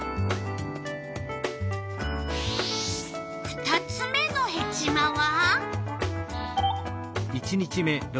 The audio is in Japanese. ２つ目のヘチマは？